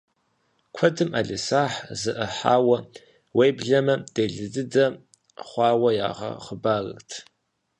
Куэдым ӏэлисахь зэӏыхьауэ, уеблэмэ делэ дыдэ хъуауэ ягъэхъыбарырт.